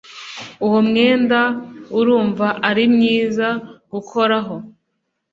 Uwo mwenda urumva ari mwiza gukoraho